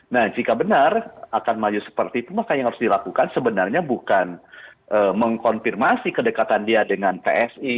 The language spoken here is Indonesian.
nah jika benar akan maju seperti itu maka yang harus dilakukan sebenarnya bukan mengkonfirmasi kedekatan dia dengan psi